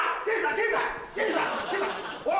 おい！